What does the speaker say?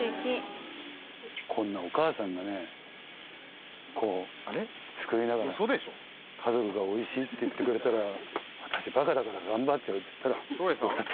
こんなお母さんがねこう作りながら「家族が“美味しい”って言ってくれたら私バカだから頑張っちゃう」って言ったら。